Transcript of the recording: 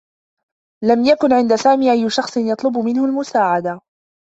لم يكن عند سامي أيّ شخص يطلب منه المساعدة.